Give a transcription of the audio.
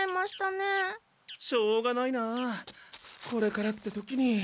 しょうがないなこれからって時に。